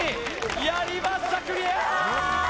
やりましたクリアー！